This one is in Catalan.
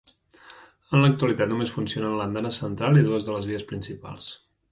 En l'actualitat només funcionen l'andana central i dues de les vies principals.